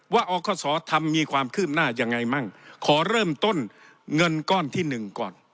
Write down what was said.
ว่าอคศทำมีความคืบหน้ายังไงมั่งขอเริ่มต้นเงินก้อนที่หนึ่งก่อน